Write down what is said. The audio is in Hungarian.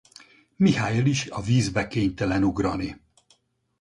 Michael is a vízbe kénytelen ugrani.